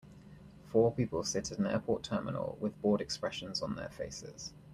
Four people sit in an airport terminal with bored expressions on their faces.